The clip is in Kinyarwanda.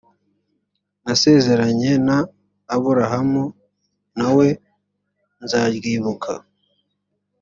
nasezeranye na aburahamu na we nzaryibuka